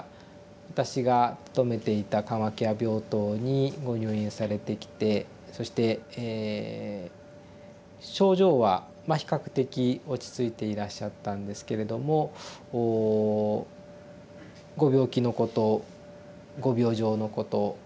私が勤めていた緩和ケア病棟にご入院されてきてそして症状はまあ比較的落ち着いていらっしゃったんですけれどもご病気のことご病状のことをしっかりと頭で理解して理解されていて。